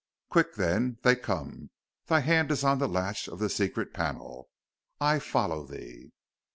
Quick, then they come! Thy hand is on the latch of the secret panel. I follow thee!"